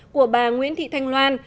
của bà nguyễn thị thanh loan